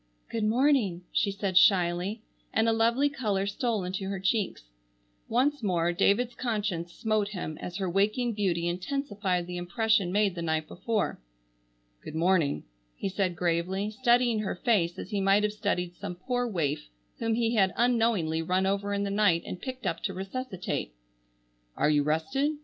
"Good morning," she said shyly, and a lovely color stole into her cheeks. Once more David's conscience smote him as her waking beauty intensified the impression made the night before. "Good morning," he said gravely, studying her face as he might have studied some poor waif whom he had unknowingly run over in the night and picked up to resuscitate. "Are you rested?